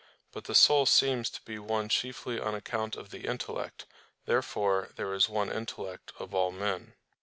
But the soul seems to be one chiefly on account of the intellect. Therefore there is one intellect of all men.